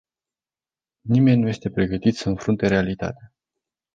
Nimeni nu este pregătit să înfrunte realitatea.